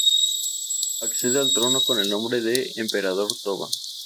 Accede al trono con el nombre de Emperador Toba.